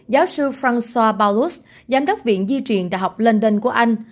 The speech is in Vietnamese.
giáo sư francois paulus giám đốc viện di truyền đh london của anh